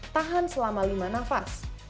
tahan selama lima nafas